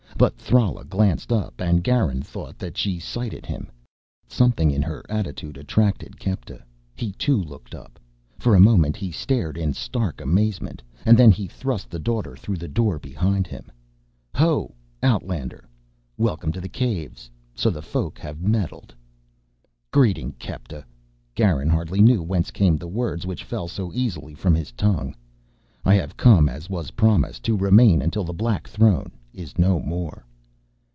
But Thrala glanced up and Garin thought that she sighted him. Something in her attitude attracted Kepta, he too looked up. For a moment he stared in stark amazement, and then he thrust the Daughter through the door behind him. "Ho, outlander! Welcome to the Caves. So the Folk have meddled " "Greeting, Kepta." Garin hardly knew whence came the words which fell so easily from his tongue. "I have come as was promised, to remain until the Black Throne is no more."